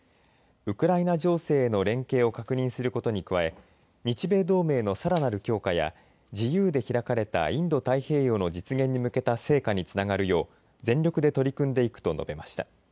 ウクライナ情勢への連携を確認することに加え日米同盟のさらなる強化や自由で開かれたインド太平洋の実現に向けた成果につながるよう全力で取り組んでいくと述べました。